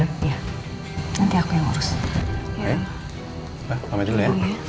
pak kami dulu ya